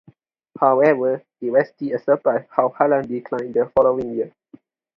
However, it was still a surprise how Hallam declined the following year.